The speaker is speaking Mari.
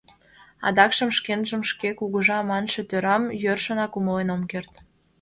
Адакшым шкенжым шке Кугыжа манше тӧрам йӧршынат умылен ом керт.